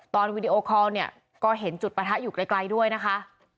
วีดีโอคอลเนี่ยก็เห็นจุดปะทะอยู่ไกลด้วยนะคะ